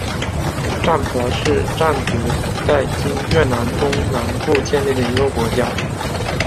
占婆是占族在今越南中南部建立的一个国家。